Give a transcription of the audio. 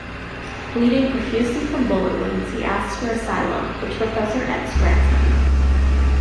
Bleeding profusely from bullet wounds, he asks for asylum, which Professor X grants him.